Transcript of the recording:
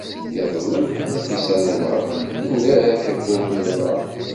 Iḍelli, Nafisa n Ubeṛṛan turar takurt n uḍar.